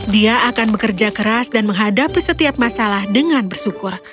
dia akan bekerja keras dan menghadapi setiap masalah dengan bersyukur